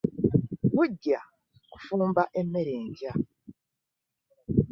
Gujja kufumba emmere enkya.